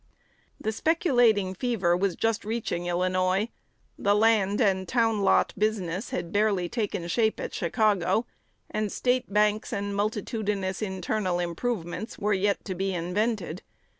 The speculating fever was just reaching Illinois; the land and town lot business had barely taken shape at Chicago; and State banks and multitudinous internal improvements were yet to be invented.